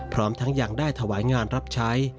พร้อมทั้งยังได้ถวายงานรับใช้